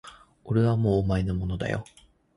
俺はもうお前のものだよ